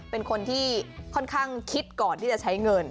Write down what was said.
เป็นคนที่ค่อนข้างคิดก่อนที่จะใช้เงิน